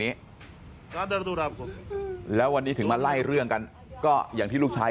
อ๋อตำรวจมาปุ๊บก็คือลงไปร้องไห้